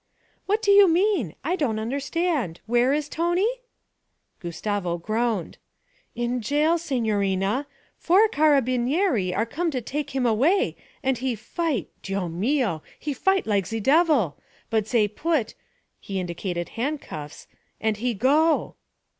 'What do you mean? I don't understand. Where is Tony?' Gustavo groaned. 'In jail, signorina. Four carabinieri are come to take him away. And he fight Dio mio! he fight like ze devil. But zay put ' he indicated handcuffs 'and he go.'